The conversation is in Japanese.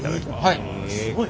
はい。